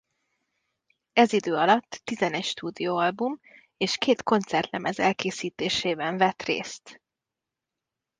Ez idő alatt tizenegy stúdióalbum és két koncertlemez elkészítésében vett részt.